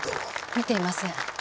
見ていません。